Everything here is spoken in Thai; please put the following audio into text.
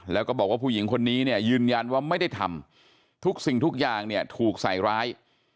แล้วก็บอกว่าผู้หญิงคนนี้เนี่ยยืนยันว่าไม่ได้ทำทุกสิ่งทุกอย่างเนี่ยถูกใส่ร้าย